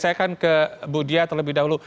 saya akan ke bu diah terlebih dahulu